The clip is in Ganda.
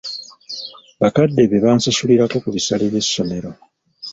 Bakadde be bansasulirako ku bisale by'essomero.